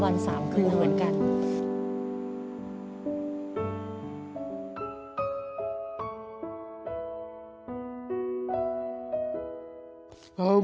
ทำงานชื่อนางหยาดฝนภูมิสุขอายุ๕๔ปี